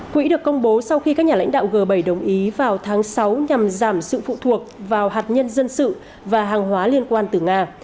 quỹ được công bố sau khi các nhà lãnh đạo g bảy đồng ý vào tháng sáu nhằm giảm sự phụ thuộc vào hạt nhân dân sự và hàng hóa liên quan từ nga